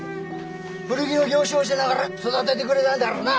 古着の行商しながら育ててくれたんだからな。